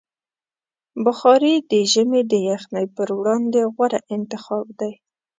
بخاري د ژمي د یخنۍ پر وړاندې غوره انتخاب دی.